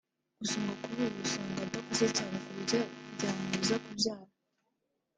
gusa ngo kuri ubu asanga adakuze cyane ku buryo byazamubuza kubyara